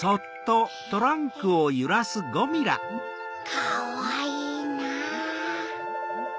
かわいいな。